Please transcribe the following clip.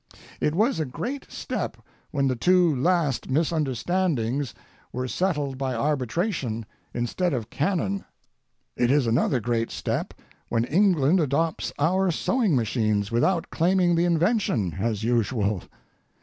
It was a great step when the two last misunderstandings were settled by arbitration instead of cannon. It is another great step when England adopts our sewing machines without claiming the invention—as usual.